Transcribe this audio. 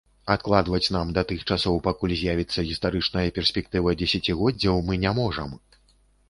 Адкладваць нам да тых часоў, пакуль з'явіцца гістарычная перспектыва дзесяцігоддзяў, мы не можам.